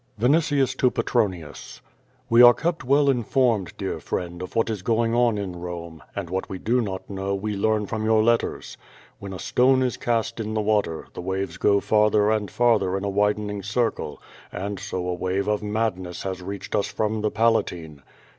Vinitius to Petronius: We are kept well informed, dear friend, of what is going on in Rome, and what we do not know we learn from your letters. When a stone is cast in the water, tlie waves go farther and farther in a widening circle, and so a wave of madness has reached us from the Palatine.